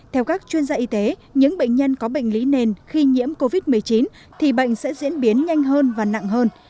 theo các chuyên gia y tế những bệnh nhân có bệnh lý nền khi nhiễm covid một mươi chín thì bệnh sẽ diễn biến nhanh hơn và nặng hơn